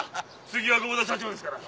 次は合田社長ですから。